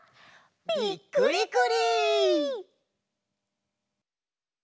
びっくりくり！